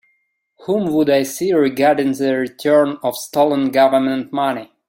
Whom would I see regarding the return of stolen Government money?